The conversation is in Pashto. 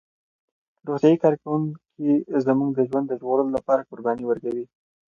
روغتیايي کارکوونکي زموږ د ژوند د ژغورلو لپاره قرباني ورکوي.